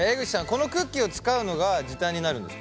このクッキーを使うのが時短になるんですか？